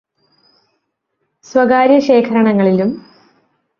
സ്വകാര്യ ശേഖരണങ്ങളിലും